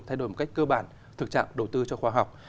thay đổi một cách cơ bản thực trạng đầu tư cho khoa học